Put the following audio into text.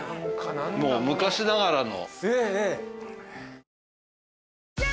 もう昔ながらの。